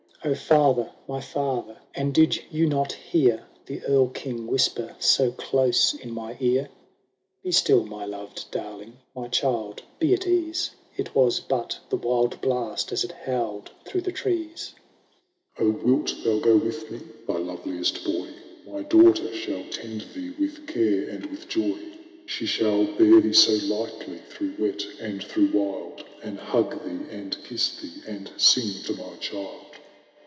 —" O father ! my father ! and did you not hear The Erl King whisper so close in my ear ?"—" Be still, my loved darling, my child be at ease ! It was but the wild blast as it howled through the trees." — The Phantom. " O wilt thou go with me, thou loveliest boy ! My daughter shall tend thee with care and with joy ; She shall bear thee so lightly through wet and through wild, And hug thee, and kiss thee, and sing to my child."